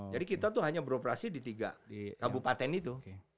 jadi kita tuh hanya beroperasi di tiga kabupaten itu